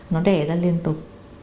nó đẻ ra liên tục